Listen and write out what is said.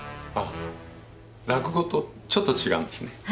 あ落語とちょっと違うんですね。